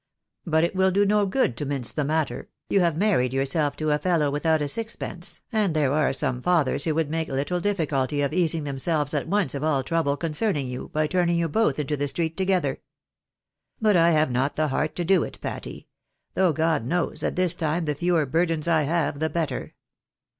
But it wiU do no good to mince the matter, you have married yourself to a fellow without a sixpence, and there are some fathers who would make Uttle difficulty of easing themselves at once of all trouble concerning you, by turning you both into the street together. But I have not the heart to do it, Patty — though, God knows, at this time the fewer burdens I have the better.